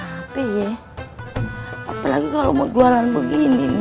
tapi apalagi kalau mau jualan begini